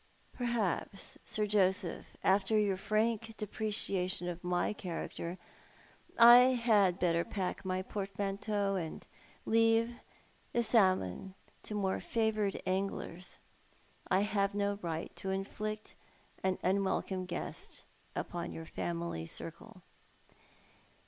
" Perhaps, Sir Joseph, after your frank depreciation of my character — I had better pack my portmanteau and leave the salmon to more favoured anglers. I have no right to inflict an unwelcome guest upon your family circle."